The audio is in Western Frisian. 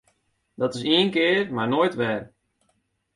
Dat is ien kear mar noait wer!